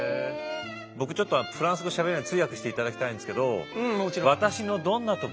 僕ちょっとフランス語しゃべれないので通訳していただきたいんですけど「私のどんなとこが好きなの？」